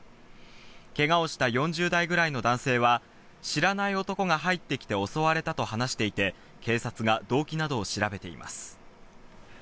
けがをした４０代くらいの男性は、知らない男が入ってきて襲われたと話していて、警察が動機などを調べています。